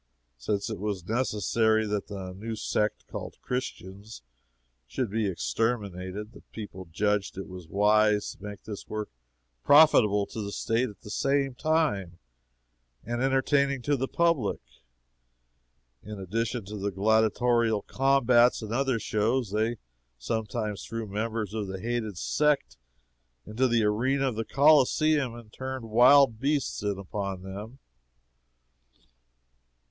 Since it was necessary that the new sect called Christians should be exterminated, the people judged it wise to make this work profitable to the State at the same time, and entertaining to the public. In addition to the gladiatorial combats and other shows, they sometimes threw members of the hated sect into the arena of the Coliseum and turned wild beasts in upon them.